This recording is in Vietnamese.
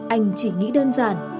anh chỉ nghĩ đơn giản